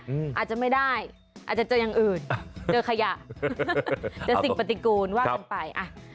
อาจจะไม่ได้อาจจะเจออย่างอื่นเจอขยะเจอสิ่งปฏิกูลว่ากันไปอ่ะ